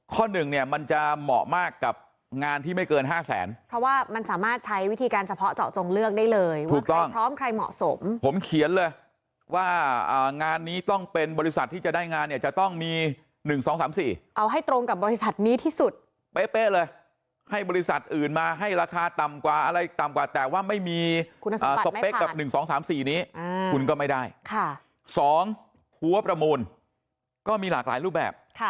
ข้อหนึ่งเนี่ยมันจะเหมาะมากกับงานที่ไม่เกิน๕แสนเพราะว่ามันสามารถใช้วิธีการเฉพาะเจาะจงเลือกได้เลยว่าใครพร้อมใครเหมาะสมผมเขียนเลยว่างานนี้ต้องเป็นบริษัทที่จะได้งานเนี่ยจะต้องมี๑๒๓๔เอาให้ตรงกับบริษัทนี้ที่สุดเป๊ะเลยให้บริษัทอื่นมาให้ราคาต่ำกว่าอะไรต่ำกว่าแต่ว่าไม่มีคุณสมบั